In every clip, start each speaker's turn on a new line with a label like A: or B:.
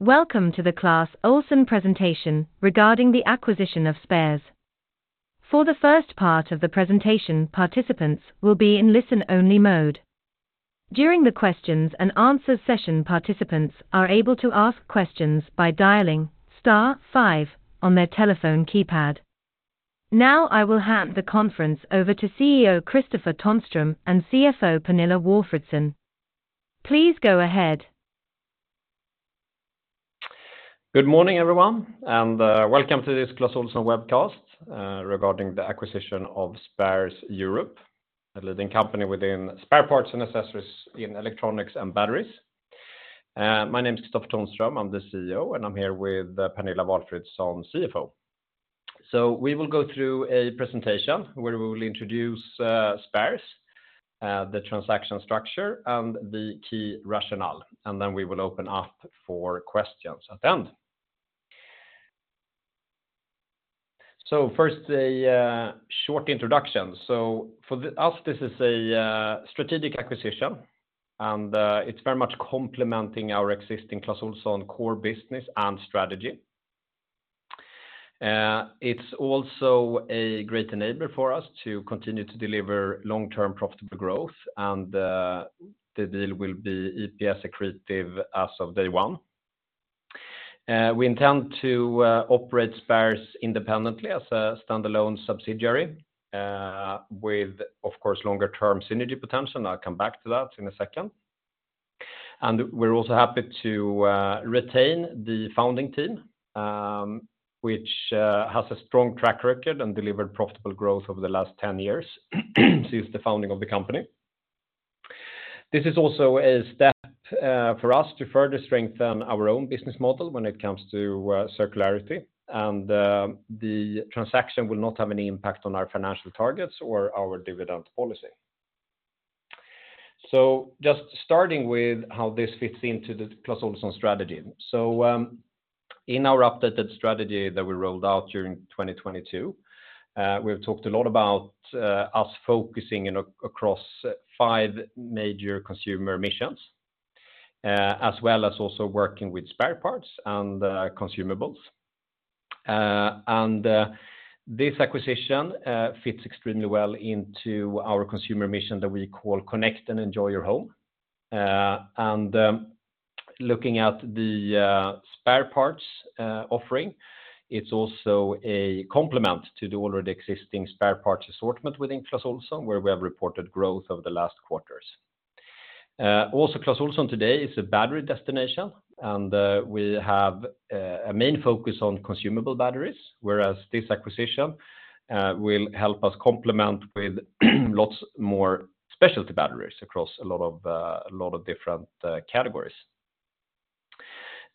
A: Welcome to the Clas Ohlson presentation regarding the acquisition of Spares. For the first part of the presentation, participants will be in listen-only mode. During the questions and answers session, participants are able to ask questions by dialing star five on their telephone keypad. Now, I will hand the conference over to CEO Kristofer Tonström and CFO Pernilla Walfridsson. Please go ahead.
B: Good morning, everyone, and welcome to this Clas Ohlson webcast, regarding the acquisition of Spares Europe, a leading company within spare parts and accessories in electronics and batteries. My name is Kristofer Tonström, I'm the CEO, and I'm here with Pernilla Walfridsson, CFO. So we will go through a presentation where we will introduce Spares, the transaction structure, and the key rationale, and then we will open up for questions at the end. So first, a short introduction. So for us, this is a strategic acquisition, and it's very much complementing our existing Clas Ohlson core business and strategy. It's also a great enabler for us to continue to deliver long-term profitable growth, and the deal will be EPS accretive as of day one. We intend to operate Spares independently as a standalone subsidiary, with, of course, longer-term synergy potential, and I'll come back to that in a second. We're also happy to retain the founding team, which has a strong track record and delivered profitable growth over the last 10 years since the founding of the company. This is also a step for us to further strengthen our own business model when it comes to circularity, and the transaction will not have any impact on our financial targets or our dividend policy. Just starting with how this fits into the Clas Ohlson strategy. In our updated strategy that we rolled out during 2022, we've talked a lot about us focusing in across 5 major consumer missions, as well as also working with spare parts and consumables. And this acquisition fits extremely well into our consumer mission that we call Connect and Enjoy Your Home. Looking at the spare parts offering, it's also a complement to the already existing spare parts assortment within Clas Ohlson, where we have reported growth over the last quarters. Also Clas Ohlson today is a battery destination, and we have a main focus on consumable batteries, whereas this acquisition will help us complement with lots more specialty batteries across a lot of different categories.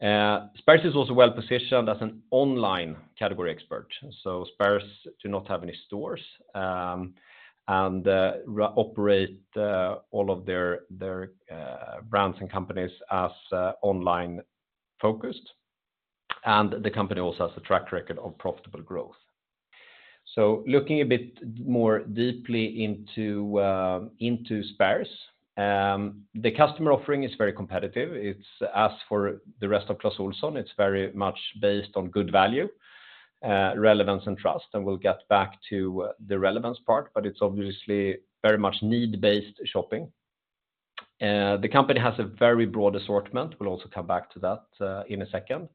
B: Spares is also well-positioned as an online category expert, so Spares do not have any stores, and operate all of their brands and companies as online focused. And the company also has a track record of profitable growth. So looking a bit more deeply into, into Spares, the customer offering is very competitive. It's as for the rest of Clas Ohlson, it's very much based on good value, relevance, and trust, and we'll get back to the relevance part, but it's obviously very much need-based shopping. The company has a very broad assortment. We'll also come back to that, in a second.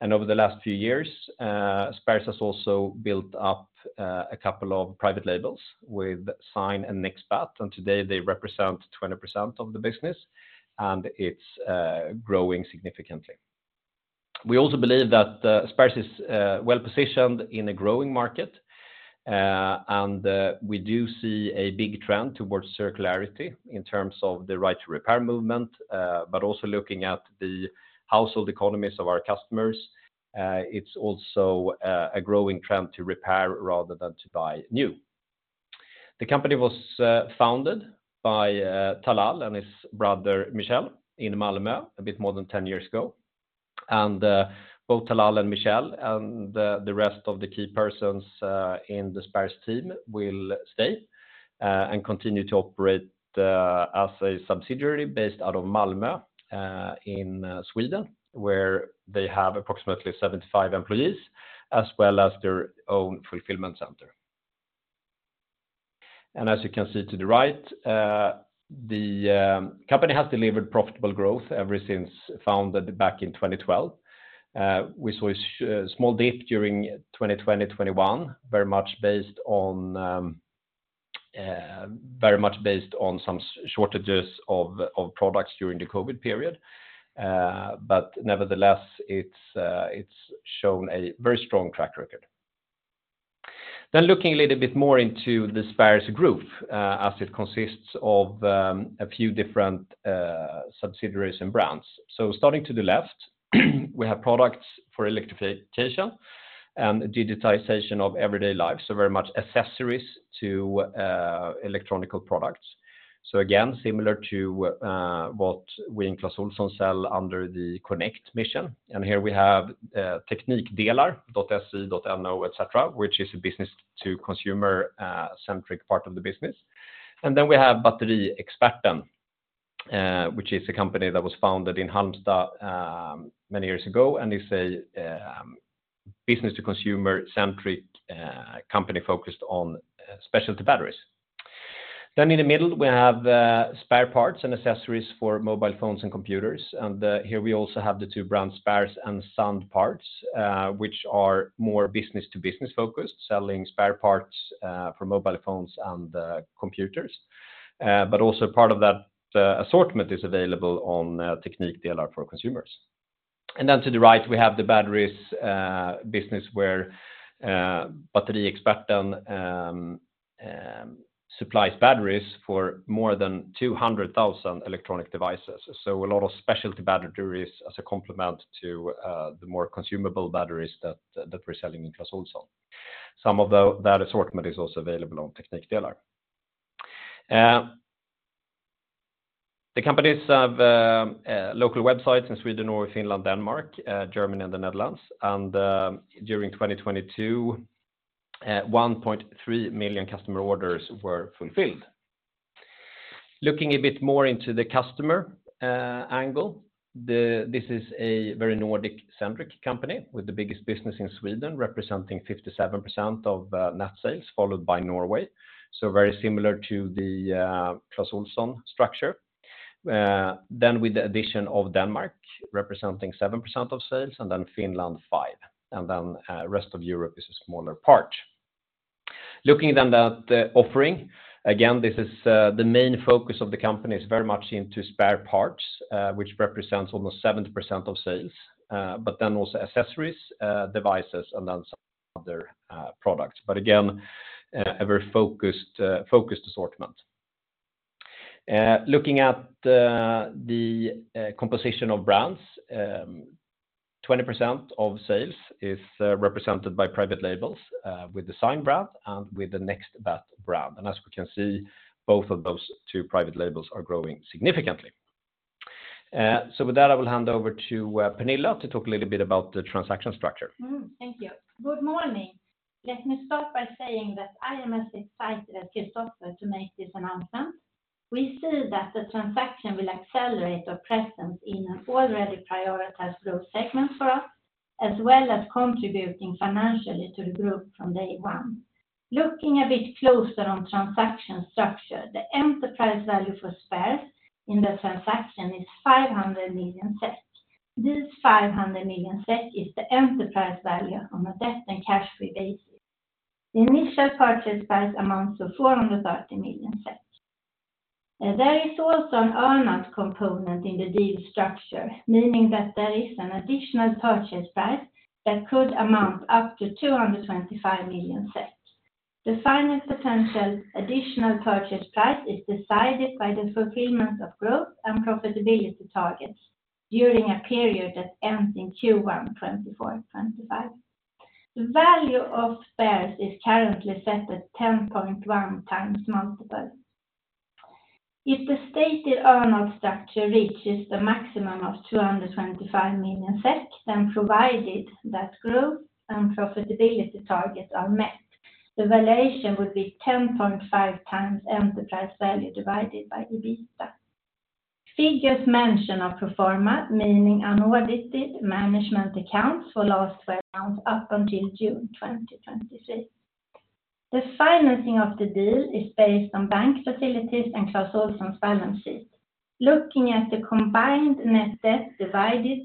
B: And over the last few years, Spares has also built up, a couple of private labels with SiGN and NextBatt, and today they represent 20% of the business, and it's, growing significantly. We also believe that Spares is well positioned in a growing market, and we do see a big trend towards circularity in terms of the Right to Repair movement, but also looking at the household economies of our customers, it's also a growing trend to repair rather than to buy new. The company was founded by Talal and his brother Michel in Malmö, a bit more than 10 years ago. Both Talal and Michel and the rest of the key persons in the Spares team will stay and continue to operate as a subsidiary based out of Malmö in Sweden, where they have approximately 75 employees, as well as their own fulfillment center. And as you can see to the right, the company has delivered profitable growth ever since founded back in 2012. We saw a small dip during 2020, 2021, very much based on very much based on some shortages of products during the COVID period. But nevertheless, it's shown a very strong track record. Then looking a little bit more into the Spares Group, as it consists of a few different subsidiaries and brands. So starting to the left, we have products for electrification and digitization of everyday life, so very much accessories to electronic products. So again, similar to what we in Clas Ohlson sell under the Connect mission. And here we have Teknikdelar.se, .no, etc., which is a business-to-consumer-centric part of the business. Then we have Batteriexperten, which is a company that was founded in Halmstad many years ago, and is a business-to-consumer-centric company focused on specialty batteries. Then in the middle, we have spare parts and accessories for mobile phones and computers, and here we also have the two brands, Spares and ZandParts, which are more business-to-business focused, selling spare parts for mobile phones and computers. But also part of that assortment is available on Teknikdelar for consumers. And then to the right, we have the batteries business, where Batteriexperten supplies batteries for more than 200,000 electronic devices. So a lot of specialty batteries as a complement to the more consumable batteries that we're selling in Clas Ohlson. Some of that assortment is also available on Teknikdelar. The companies have local websites in Sweden, Norway, Finland, Denmark, Germany, and the Netherlands, and during 2022, 1.3 million customer orders were fulfilled. Looking a bit more into the customer angle, this is a very Nordic-centric company, with the biggest business in Sweden, representing 57% of net sales, followed by Norway. So very similar to the Clas Ohlson structure. Then with the addition of Denmark, representing 7% of sales, and then Finland, 5%, and then rest of Europe is a smaller part. Looking then at the offering, again, this is, the main focus of the company is very much into spare parts, which represents almost 70% of sales, but then also accessories, devices, and then some other, products. But again, a very focused, focused assortment. Looking at the, the, composition of brands, 20% of sales is, represented by private labels, with SiGN brand and with the NextBatt brand. And as we can see, both of those two private labels are growing significantly. So with that, I will hand over to, Pernilla to talk a little bit about the transaction structure.
C: Thank you. Good morning. Let me start by saying that I am as excited as Kristofer to make this announcement. We see that the transaction will accelerate our presence in an already prioritized growth segment for us, as well as contributing financially to the group from day one. Looking a bit closer on transaction structure, the enterprise value for Spares in the transaction is 500 million SEK. This 500 million SEK is the enterprise value on a debt and cash-free basis. The initial purchase price amounts to 430 million. There is also an earn-out component in the deal structure, meaning that there is an additional purchase price that could amount up to 225 million. The final potential additional purchase price is decided by the fulfillment of growth and profitability targets during a period that ends in Q1 2024-2025. The value of Spares is currently set at 10.1x multiple. If the stated earn-out structure reaches the maximum of 225 million SEK, then provided that growth and profitability targets are met, the valuation would be 10.5x enterprise value divided by EBITA. Figures mention of pro forma, meaning unaudited management accounts for last twelve months up until June 2023. The financing of the deal is based on bank facilities and Clas Ohlson's balance sheet. Looking at the combined net debt divided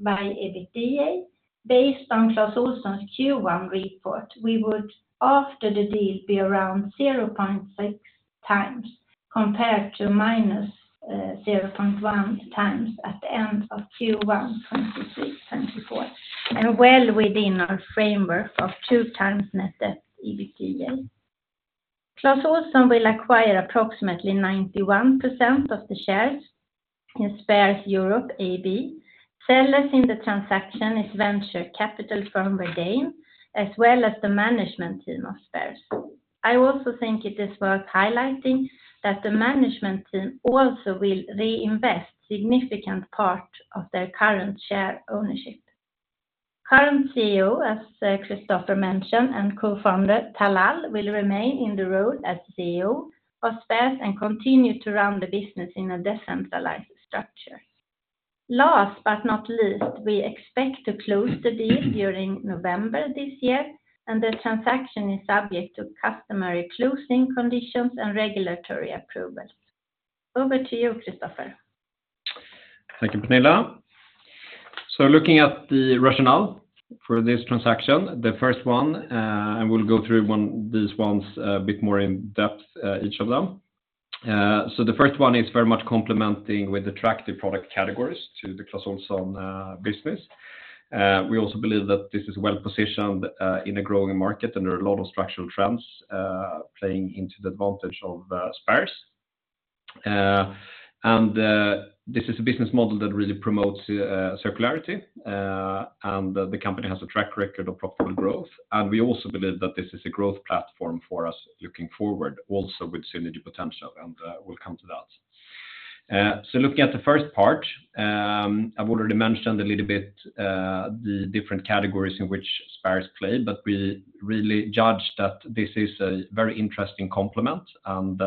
C: by EBITDA, based on Clas Ohlson's Q1 report, we would, after the deal, be around 0.6 times, compared to minus 0.1 times at the end of Q1 2023, 2024, and well within our framework of two times net debt EBITDA. Clas Ohlson will acquire approximately 91% of the shares in Spares Europe AB. Sellers in the transaction is venture capital from Verdane, as well as the management team of Spares. I also think it is worth highlighting that the management team also will reinvest significant part of their current share ownership. Current CEO, as Kristofer mentioned, and Co-Founder Talal, will remain in the role as CEO of Spares and continue to run the business in a decentralized structure. Last but not least, we expect to close the deal during November this year, and the transaction is subject to customary closing conditions and regulatory approvals. Over to you, Kristofer.
B: Thank you, Pernilla. So looking at the rationale for this transaction, the first one, and we'll go through one, these ones a bit more in depth, each of them. So the first one is very much complementing with attractive product categories to the Clas Ohlson business. We also believe that this is well-positioned in a growing market, and there are a lot of structural trends playing into the advantage of Spares. And this is a business model that really promotes circularity, and the company has a track record of profitable growth. And we also believe that this is a growth platform for us looking forward, also with synergy potential, and we'll come to that. So looking at the first part, I've already mentioned a little bit the different categories in which Spares play, but we really judge that this is a very interesting complement and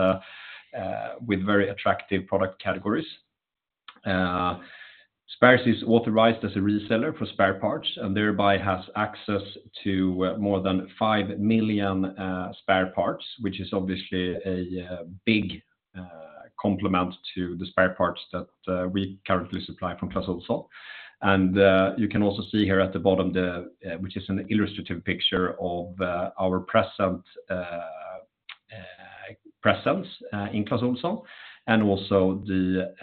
B: with very attractive product categories. Spares is authorized as a reseller for spare parts and thereby has access to more than 5 million spare parts, which is obviously a big complement to the spare parts that we currently supply from Clas Ohlson. And you can also see here at the bottom, which is an illustrative picture of our presence in Clas Ohlson, and also the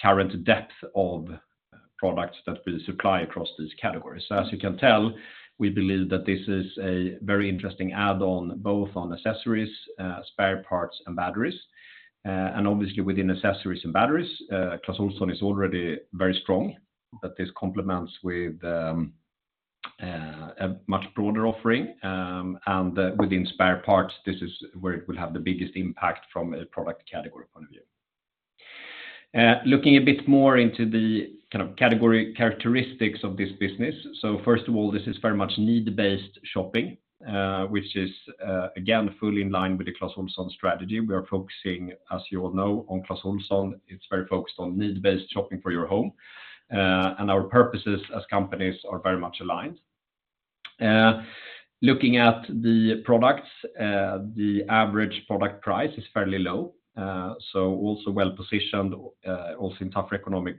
B: current depth of products that we supply across these categories. So as you can tell, we believe that this is a very interesting add-on, both on accessories, spare parts, and batteries. Obviously, within accessories and batteries, Clas Ohlson is already very strong, but this complements with a much broader offering. Within spare parts, this is where it will have the biggest impact from a product category point of view. Looking a bit more into the kind of category characteristics of this business. First of all, this is very much need-based shopping, which is again, fully in line with the Clas Ohlson strategy. We are focusing, as you all know, on Clas Ohlson. It's very focused on need-based shopping for your home, and our purposes as companies are very much aligned. Looking at the products, the average product price is fairly low, so also well-positioned also in tough economic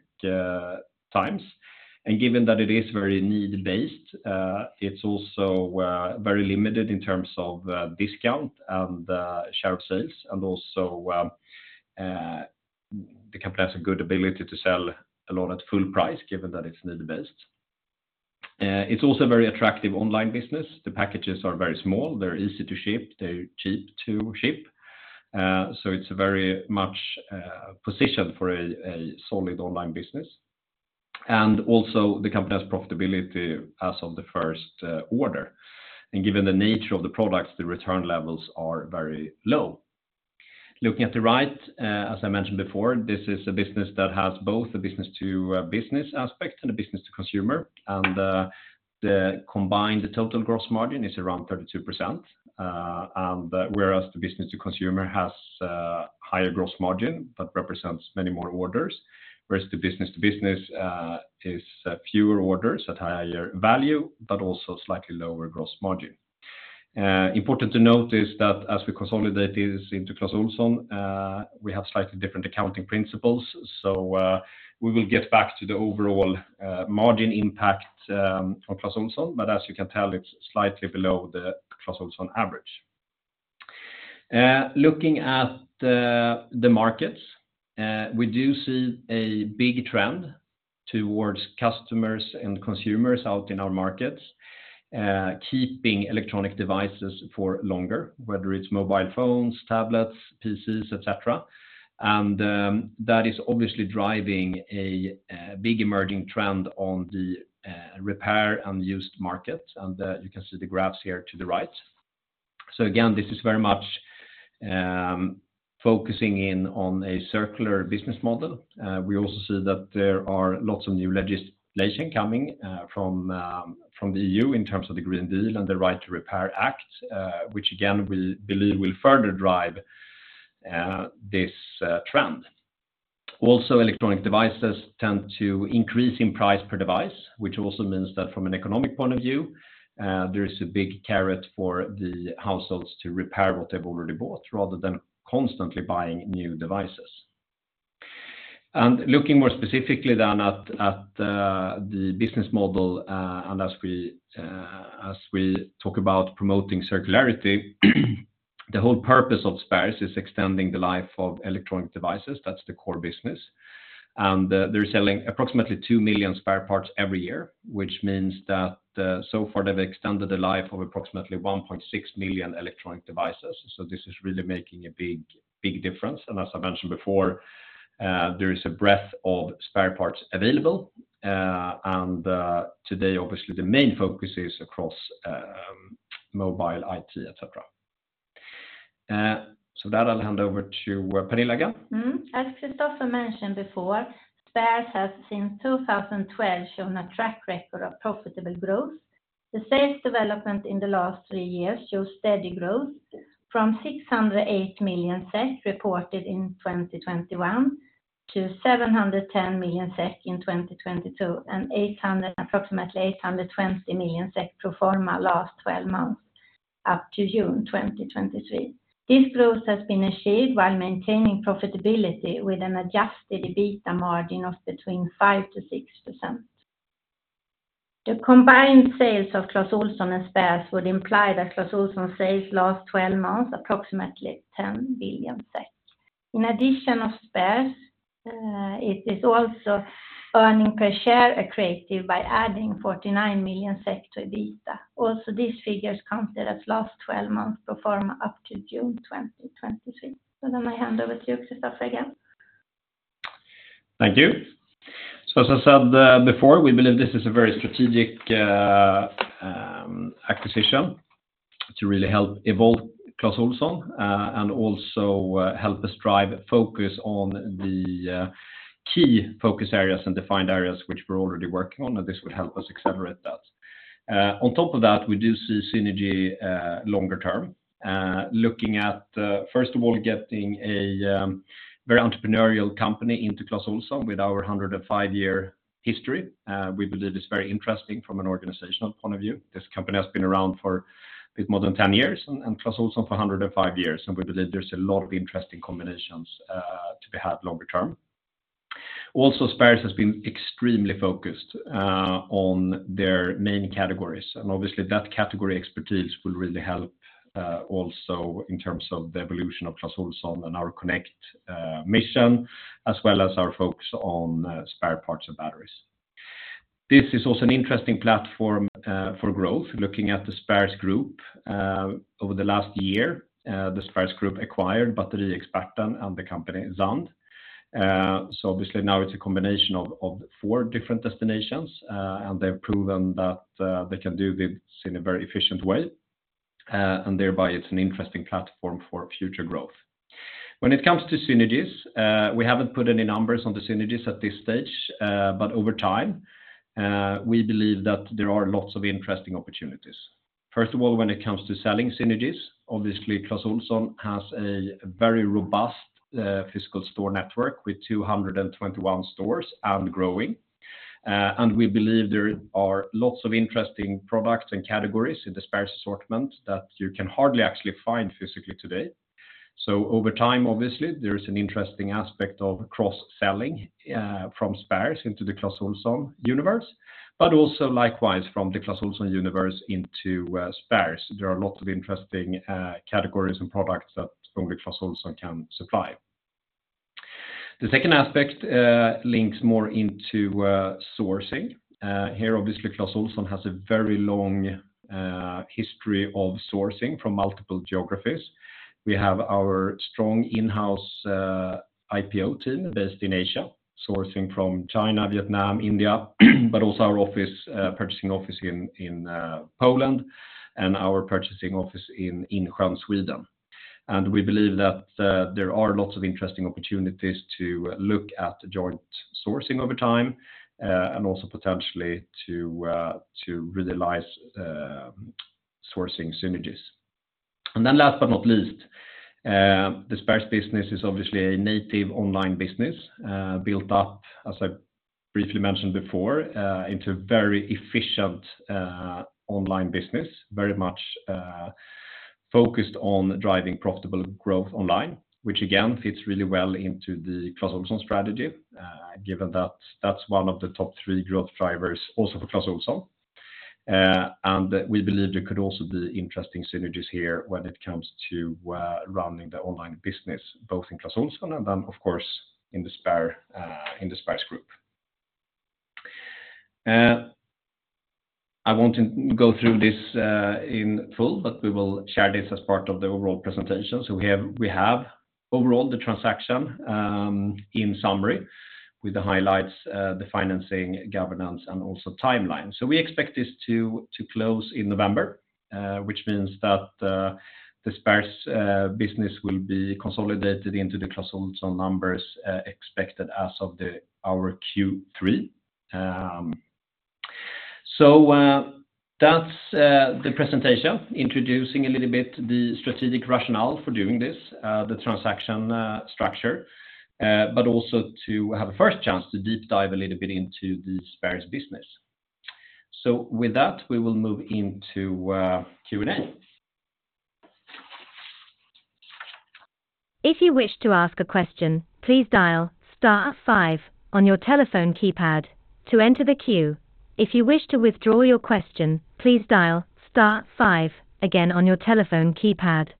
B: times. And given that it is very need-based, it's also very limited in terms of discount and share of sales, and also the company has a good ability to sell a lot at full price, given that it's need-based. It's also a very attractive online business. The packages are very small, they're easy to ship, they're cheap to ship. So it's very much positioned for a solid online business. And also, the company has profitability as of the first order, and given the nature of the products, the return levels are very low. Looking at the right, as I mentioned before, this is a business that has both a business-to-business aspect and a business-to-consumer. The combined total gross margin is around 32%, and whereas the business-to-consumer has higher gross margin, that represents many more orders, whereas the business-to-business is fewer orders at higher value, but also slightly lower gross margin. Important to note is that as we consolidate this into Clas Ohlson, we have slightly different accounting principles, so we will get back to the overall margin impact for Clas Ohlson, but as you can tell, it's slightly below the Clas Ohlson average. Looking at the markets, we do see a big trend towards customers and consumers out in our markets keeping electronic devices for longer, whether it's mobile phones, tablets, PCs, et cetera. That is obviously driving a big emerging trend on the repair and used market, and you can see the graphs here to the right. So again, this is very much focusing in on a circular business model. We also see that there are lots of new legislation coming from the EU in terms of the Green Deal and the Right to Repair Act, which again, we believe will further drive this trend. Also, electronic devices tend to increase in price per device, which also means that from an economic point of view, there is a big carrot for the households to repair what they've already bought, rather than constantly buying new devices. Looking more specifically then at the business model, and as we talk about promoting circularity, the whole purpose of Spares is extending the life of electronic devices. That's the core business. And they're selling approximately 2 million spare parts every year, which means that so far, they've extended the life of approximately 1.6 million electronic devices. So this is really making a big, big difference. And as I mentioned before, there is a breadth of spare parts available, and today, obviously, the main focus is across mobile, IT, et cetera. So with that, I'll hand over to Pernilla again.
C: Mm-hmm. As Kristofer mentioned before, Spares has, since 2012, shown a track record of profitable growth. The sales development in the last three years shows steady growth from 608 million SEK, reported in 2021, to 710 million SEK in 2022, and approximately 820 million SEK pro forma last twelve months, up to June 2023. This growth has been achieved while maintaining profitability with an adjusted EBITDA margin of between 5%-6%. The combined sales of Clas Ohlson and Spares would imply that Clas Ohlson sales last twelve months, approximately 10 billion SEK. In addition of Spares, it is also earnings per share accretive by adding 49 million SEK to EBITDA. Also, these figures counted as last twelve months pro forma up to June 2023. So then I hand over to Kristofer again. Thank you.
B: So as I said before, we believe this is a very strategic acquisition to really help evolve Clas Ohlson and also help us drive focus on the key focus areas and defined areas which we're already working on, and this would help us accelerate that. On top of that, we do see synergy longer term looking at first of all getting a very entrepreneurial company into Clas Ohlson with our 105-year history. We believe it's very interesting from an organizational point of view. This company has been around for a bit more than 10 years, and Clas Ohlson for 105 years, and we believe there's a lot of interesting combinations to be had longer term. Also, Spares has been extremely focused on their main categories, and obviously, that category expertise will really help also in terms of the evolution of Clas Ohlson and our connect mission, as well as our focus on spare parts and batteries. This is also an interesting platform for growth. Looking at the Spares Group over the last year, the Spares Group acquired Batteriexperten and the company Zand. So obviously now it's a combination of four different destinations, and they've proven that they can do this in a very efficient way, and thereby it's an interesting platform for future growth. When it comes to synergies, we haven't put any numbers on the synergies at this stage, but over time we believe that there are lots of interesting opportunities. First of all, when it comes to selling synergies, obviously, Clas Ohlson has a very robust physical store network with 221 stores and growing. And we believe there are lots of interesting products and categories in the Spares assortment that you can hardly actually find physically today. So over time, obviously, there is an interesting aspect of cross-selling from Spares into the Clas Ohlson universe, but also likewise, from the Clas Ohlson universe into Spares. There are lots of interesting categories and products that only Clas Ohlson can supply. The second aspect links more into sourcing. Here, obviously, Clas Ohlson has a very long history of sourcing from multiple geographies. We have our strong in-house IPO team based in Asia, sourcing from China, Vietnam, India, but also our office purchasing office in Poland and our purchasing office in Insjön, Sweden. We believe that there are lots of interesting opportunities to look at joint sourcing over time, and also potentially to realize sourcing synergies. Last but not least, the Spares business is obviously a native online business, built up, as I briefly mentioned before, into a very efficient online business. Very much focused on driving profitable growth online, which again fits really well into the Clas Ohlson strategy, given that that's one of the top three growth drivers also for Clas Ohlson. And we believe there could also be interesting synergies here when it comes to running the online business, both in Clas Ohlson and then, of course, in the Spares Group. I won't go through this in full, but we will share this as part of the overall presentation. So we have overall the transaction in summary, with the highlights, the financing, governance, and also timeline. So we expect this to close in November, which means that the Spares business will be consolidated into the Clas Ohlson numbers, expected as of our Q3. That's the presentation, introducing a little bit the strategic rationale for doing this, the transaction structure, but also to have a first chance to deep dive a little bit into the Spares business. With that, we will move into Q&A.
A: If you wish to ask a question, please dial star five on your telephone keypad to enter the queue. If you wish to withdraw your question, please dial star five again on your telephone keypad.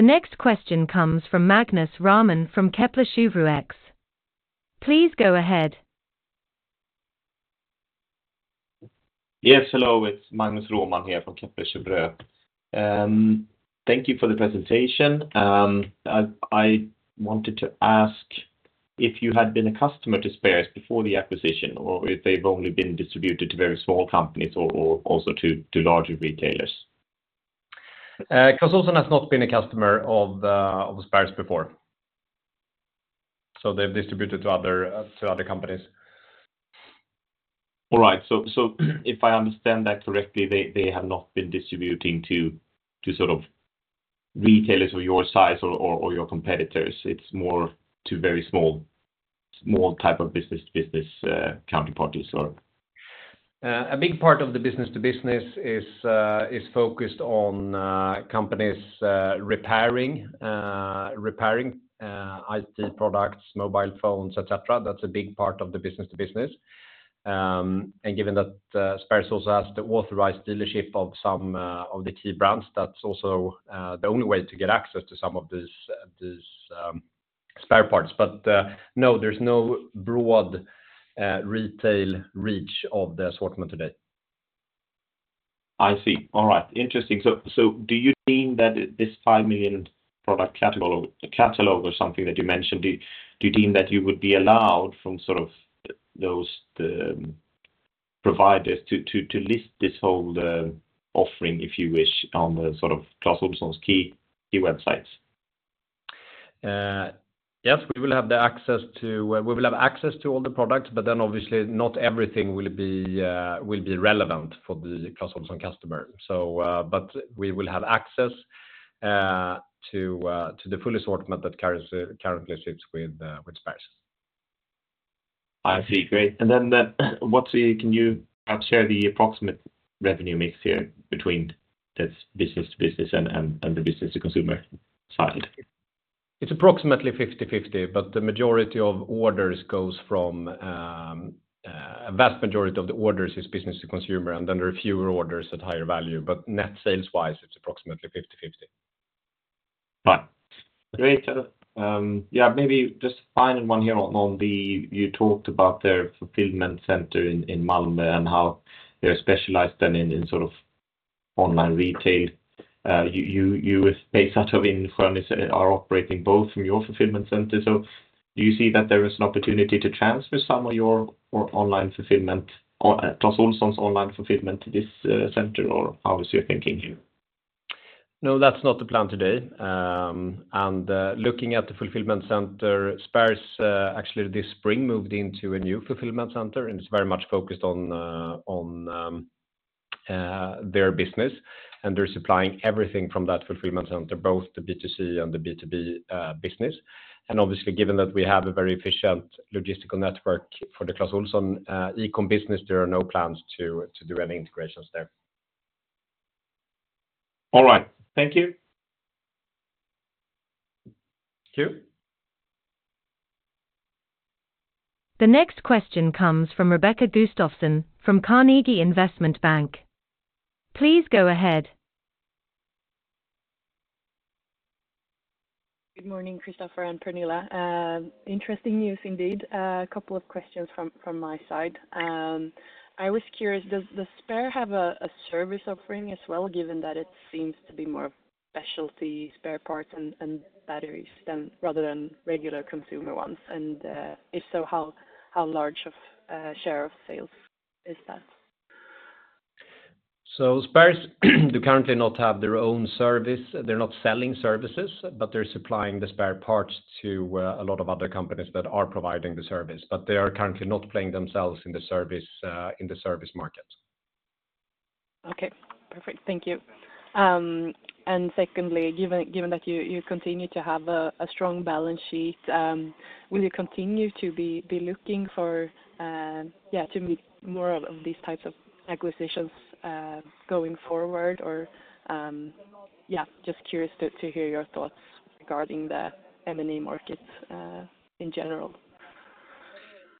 A: The next question comes from Magnus Råman from Kepler Cheuvreux. Please go ahead.
D: Yes, hello, it's Magnus Råman here from Kepler Cheuvreux. Thank you for the presentation. I wanted to ask if you had been a customer to Spares before the acquisition, or if they've only been distributed to very small companies or, or also to, to larger retailers?
B: Clas Ohlson has not been a customer of Spares before. So they've distributed to other companies.
D: All right. So if I understand that correctly, they have not been distributing to sort of retailers of your size or your competitors. It's more to very small type of business counterparties or?
B: A big part of the business to business is focused on companies repairing IT products, mobile phones, et cetera. That's a big part of the business to business. And given that, Spares also has the authorized dealership of some of the key brands, that's also the only way to get access to some of these spare parts. But no, there's no broad retail reach of the assortment today.
D: I see. All right. Interesting. So do you mean that this 5 million product catalog, the catalog or something that you mentioned? Do you deem that you would be allowed from sort of those, the providers to list this whole offering, if you wish, on the sort of Clas Ohlson's key websites?
B: Yes, we will have access to all the products, but then obviously not everything will be relevant for the Clas Ohlson customer. So, but we will have access to the full assortment that carries currently ships with Spares.
D: I see. Great. Then, what can you perhaps share the approximate revenue mix here between this business to business and the business to consumer side?
B: It's approximately 50/50, but a vast majority of the orders is business to consumer, and then there are fewer orders at higher value, but net sales wise, it's approximately 50/50.
D: Right. Great. Yeah, maybe just final one here on you talked about their fulfillment center in Malmö and how they're specialized then in sort of online retail. You are based out of in Insjön are operating both from your fulfillment center. So do you see that there is an opportunity to transfer some of your or online fulfillment or Clas Ohlson's online fulfillment to this center, or how is your thinking here?
B: No, that's not the plan today. Looking at the fulfillment center, Spares actually this spring moved into a new fulfillment center, and it's very much focused on their business, and they're supplying everything from that fulfillment center, both the B2C and the B2B business. Obviously, given that we have a very efficient logistical network for the Clas Ohlson e-com business, there are no plans to do any integrations there.
D: All right. Thank you. Thank you.
A: The next question comes from Rebecca Gustafsson from Carnegie Investment Bank. Please go ahead.
E: Good morning, Kristofer and Pernilla. Interesting news indeed. A couple of questions from, from my side. I was curious, does the Spares have a service offering as well, given that it seems to be more of specialty spare parts and batteries than, rather than regular consumer ones? And, if so, how large of a share of sales is that?
B: So Spares do currently not have their own service. They're not selling services, but they're supplying the spare parts to a lot of other companies that are providing the service, but they are currently not playing themselves in the service in the service market.
E: Okay, perfect. Thank you. And secondly, given that you continue to have a strong balance sheet, will you continue to be looking for to make more of these types of acquisitions going forward? Or, just curious to hear your thoughts regarding the M&A market in general.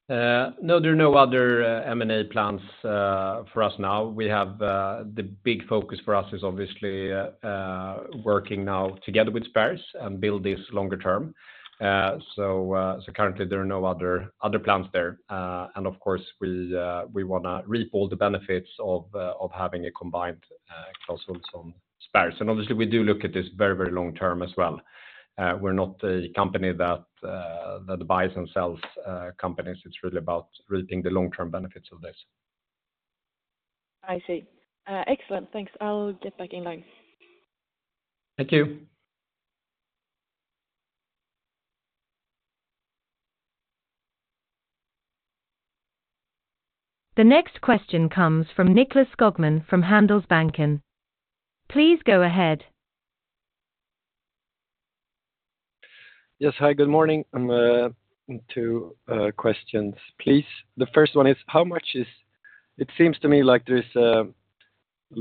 B: No, there are no other M&A plans for us now. We have the big focus for us is obviously working now together with Spares and build this longer term. So, so currently there are no other, other plans there. And of course, we want to reap all the benefits of having a combined Clas Ohlson Spares. And obviously, we do look at this very, very long term as well. We're not a company that buys and sells companies. It's really about reaping the long-term benefits of this.
E: I see. Excellent. Thanks. I'll get back in line.
B: Thank you.
A: The next question comes from Nicklas Skogman from Handelsbanken. Please go ahead.
F: Yes, hi, good morning. I have two questions, please. The first one is, it seems to me like there's a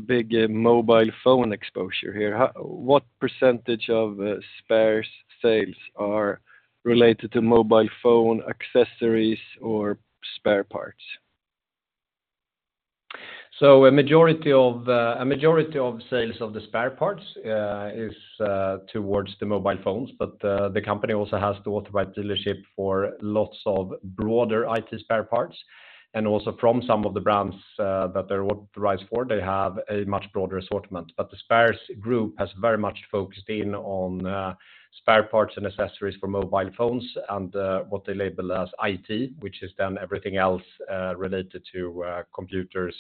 F: big mobile phone exposure here. What percentage of Spares sales are related to mobile phone accessories or spare parts?
B: So a majority of, a majority of sales of the spare parts, is, towards the mobile phones, but, the company also has the authorized dealership for lots of broader IT spare parts, and also from some of the brands, that they're authorized for, they have a much broader assortment. But the Spares group has very much focused in on, spare parts and accessories for mobile phones and, what they label as IT, which is then everything else, related to, computers,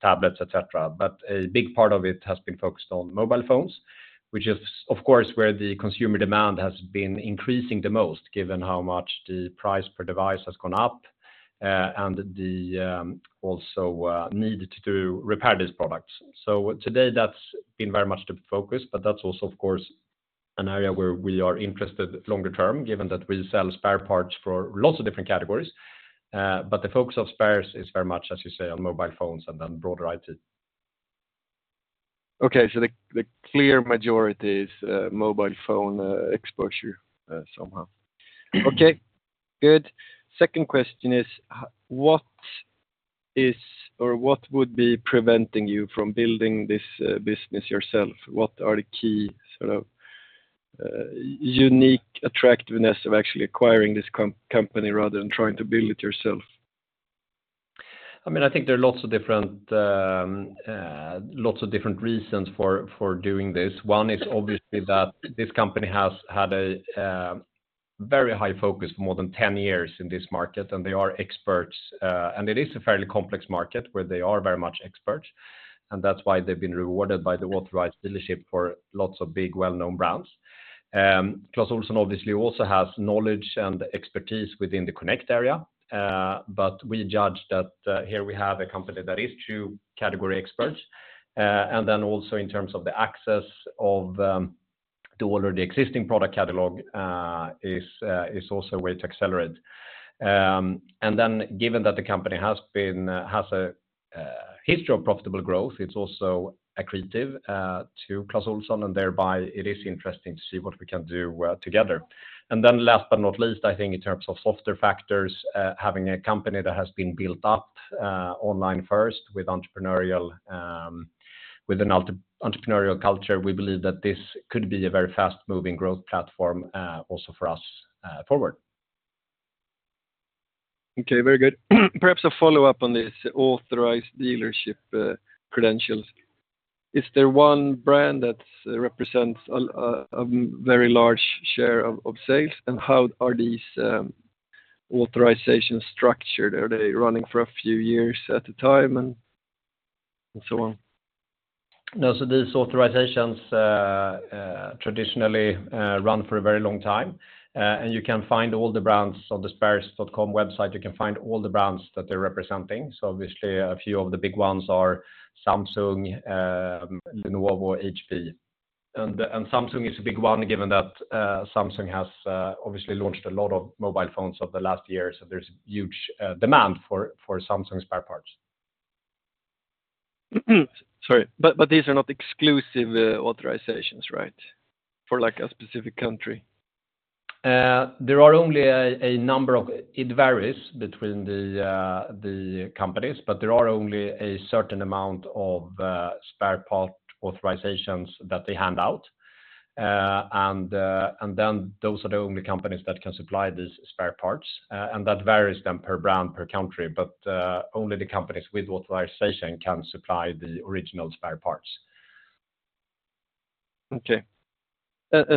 B: tablets, et cetera. But a big part of it has been focused on mobile phones, which is, of course, where the consumer demand has been increasing the most, given how much the price per device has gone up, and the, also, need to repair these products. Today, that's been very much the focus, but that's also, of course, an area where we are interested longer term, given that we sell spare parts for lots of different categories. But the focus of Spares is very much, as you say, on mobile phones and then broader IT.
F: Okay, so the clear majority is mobile phone exposure somehow.
B: Mm-hmm.
F: Okay, good. Second question is, what is or what would be preventing you from building this business yourself? What are the key, sort of, unique attractiveness of actually acquiring this company rather than trying to build it yourself?
B: I mean, I think there are lots of different reasons for doing this. One is obviously that this company has had a very high focus for more than 10 years in this market, and they are experts, and it is a fairly complex market where they are very much experts, and that's why they've been rewarded by the authorized dealership for lots of big well-known brands. Clas Ohlson obviously also has knowledge and expertise within the connect area, but we judge that here we have a company that is true category experts. And then also in terms of the access to order the existing product catalog is also a way to accelerate. and then given that the company has a history of profitable growth, it's also accretive to Clas Ohlson, and thereby it is interesting to see what we can do together. And then last but not least, I think in terms of softer factors, having a company that has been built up online first with an entrepreneurial culture, we believe that this could be a very fast-moving growth platform also for us forward.
F: Okay, very good. Perhaps a follow-up on this authorized dealership credentials. Is there one brand that represents a very large share of sales? And how are these authorization structured? Are they running for a few years at a time and so on?
B: No, so these authorizations, traditionally, run for a very long time. And you can find all the brands on the Spares.com website. You can find all the brands that they're representing. So obviously, a few of the big ones are Samsung, Lenovo, HP. And Samsung is a big one, given that, Samsung has obviously launched a lot of mobile phones over the last year, so there's huge demand for Samsung spare parts.
F: Sorry, but these are not exclusive authorizations, right? For like a specific country.
B: There are only a number of. It varies between the companies, but there are only a certain amount of spare part authorizations that they hand out. And then those are the only companies that can supply these spare parts, and that varies then per brand, per country, but only the companies with authorization can supply the original spare parts.
F: Okay.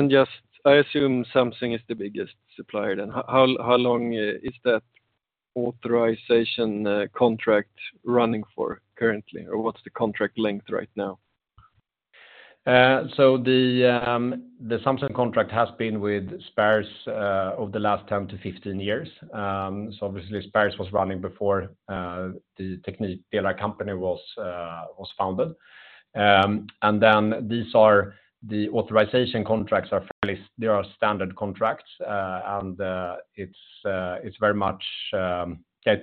F: Just, I assume Samsung is the biggest supplier, then. How long is that authorization contract running for currently, or what's the contract length right now?
B: So the Samsung contract has been with Spares over the last 10-15 years. So obviously, Spares was running before the Teknikdelar company was founded. And then these are the authorization contracts. They are standard contracts, and it's very much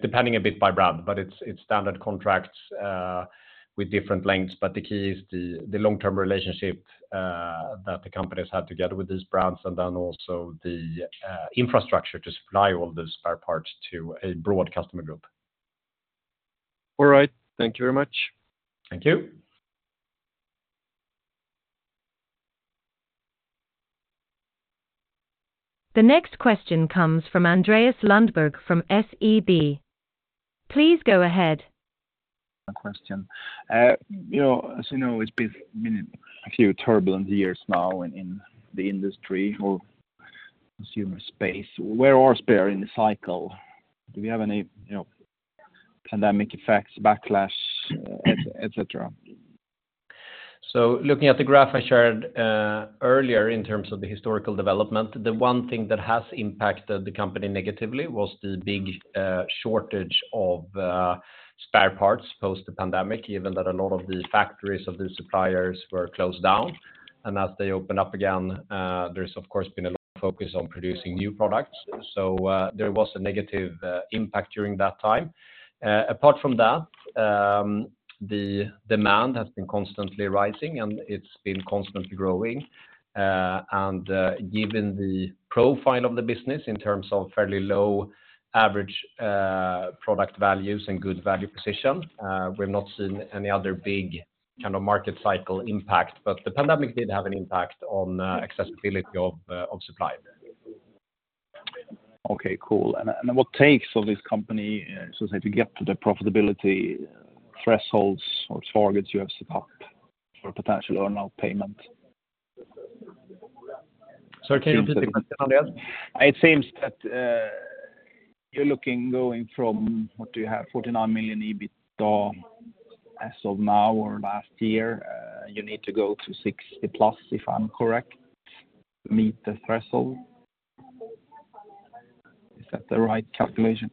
B: depending a bit by brand, but it's standard contracts with different lengths. But the key is the long-term relationship that the companies have together with these brands, and then also the infrastructure to supply all the spare parts to a broad customer group.
F: All right. Thank you very much.
B: Thank you.
A: The next question comes from Andreas Lundberg from SEB. Please go ahead.
G: A question. You know, as you know, it's been a few turbulent years now in the industry or consumer space. Where are Spares in the cycle? Do you have any, you know, pandemic effects, backlash, et cetera?
B: So looking at the graph I shared earlier in terms of the historical development, the one thing that has impacted the company negatively was the big shortage of spare parts post the pandemic, given that a lot of the factories of the suppliers were closed down. As they open up again, there's of course been a lot of focus on producing new products. There was a negative impact during that time. Apart from that, the demand has been constantly rising, and it's been constantly growing. Given the profile of the business in terms of fairly low average product values and good value position, we've not seen any other big kind of market cycle impact, but the pandemic did have an impact on accessibility of supply.
G: Okay, cool. And what takes for this company, so say, to get to the profitability thresholds or targets you have set up for potential earn-out payment?
B: Sorry, can you repeat the question, Andreas?
G: It seems that, you're looking going from, what do you have? 49 million EBITDA as of now or last year. You need to go to 60+ million, if I'm correct, to meet the threshold. Is that the right calculation?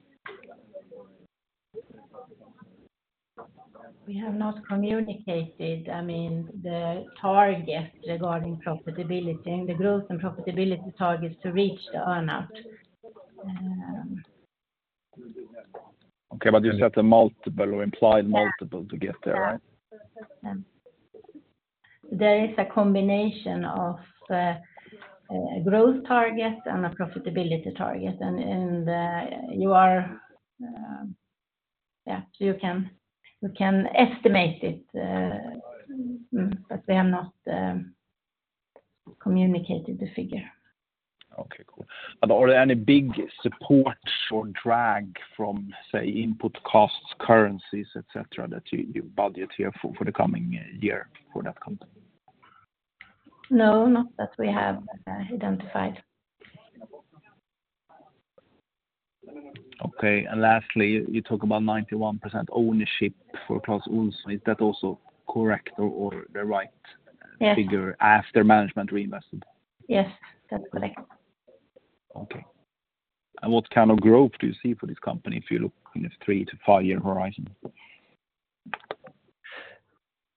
C: We have not communicated, I mean, the target regarding profitability, the growth and profitability targets to reach the earn-out.
G: Okay, but you set a multiple or implied multiple to get there, right?
C: There is a combination of a growth target and a profitability target, and you are... Yeah, you can, you can estimate it, but we have not... communicated the figure.
G: Okay, cool. Are there any big support or drag from, say, input costs, currencies, et cetera, that you, you budget here for, for the coming year for that company?
C: No, not that we have identified.
G: Okay. And lastly, you talk about 91% ownership for Clas Ohlson. Is that also correct or, or the right-
C: Yes.
G: Figure after management reinvestment?
C: Yes, that's correct.
G: Okay. And what kind of growth do you see for this company if you look in a three-five year horizon?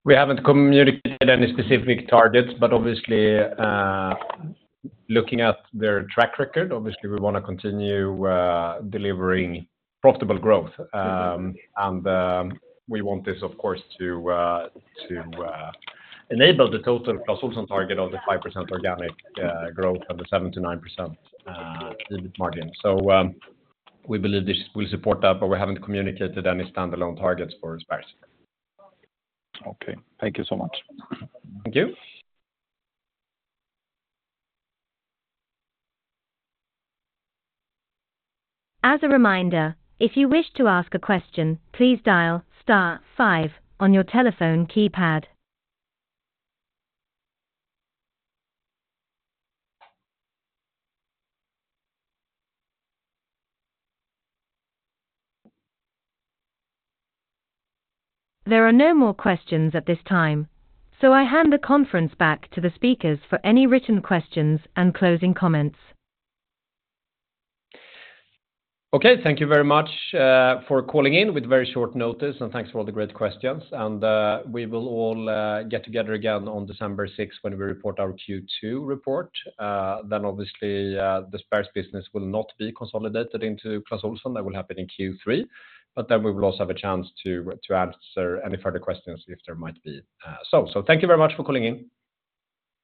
B: We haven't communicated any specific targets, but obviously, looking at their track record, obviously, we want to continue delivering profitable growth. And we want this, of course, to enable the total Clas Ohlson target of the 5% organic growth and the 7%-9% EBIT margin. So we believe this will support that, but we haven't communicated any standalone targets for Spares.
G: Okay. Thank you so much.
B: Thank you.
A: As a reminder, if you wish to ask a question, please dial star five on your telephone keypad. There are no more questions at this time, so I hand the conference back to the speakers for any written questions and closing comments.
B: Okay, thank you very much for calling in with very short notice, and thanks for all the great questions. We will all get together again on December sixth when we report our Q2 report. Then obviously, the Spares business will not be consolidated into Clas Ohlson. That will happen in Q3, but then we will also have a chance to, to answer any further questions if there might be so. So thank you very much for calling in.